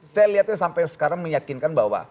saya lihatnya sampai sekarang meyakinkan bahwa